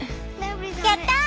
やったぁ！